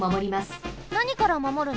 なにからまもるの？